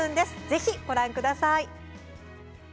ぜひ、ご覧ください。